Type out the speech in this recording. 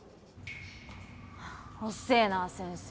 ハァおっせえな先生。